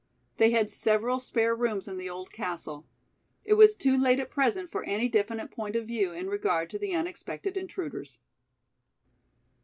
They had several spare rooms in the old castle. It was too late at present for any definite point of view in regard to the unexpected intruders.